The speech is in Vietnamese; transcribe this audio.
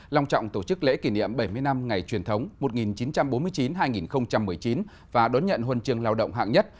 lòng trọng tổ chức lễ kỷ niệm bảy mươi năm ngày truyền thống một nghìn chín trăm bốn mươi chín hai nghìn một mươi chín và đón nhận huân trường lao động hạng nhất